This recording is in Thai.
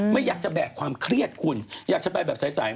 ไม่อยากจะแบกความเครียดคุณอยากจะไปแบบใส